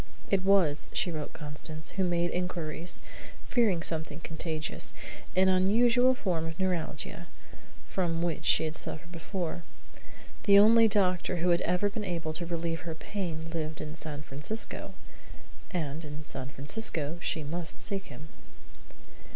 It was, she wrote Constance (who made inquiries, fearing something contagious), an unusual form of neuralgia, from which she had suffered before. The only doctor who had ever been able to relieve her pain lived in San Francisco, and in San Francisco she must seek him.